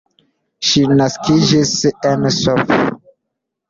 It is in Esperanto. Ŝi naskiĝis en Sf.